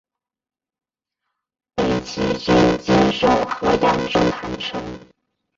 北齐军坚守河阳中潭城。